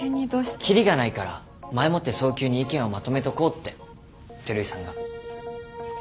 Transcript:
切りがないから前もって早急に意見をまとめとこうって照井さんが。